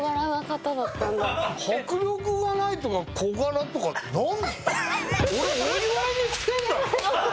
迫力がないとか小柄とかってなんだよ。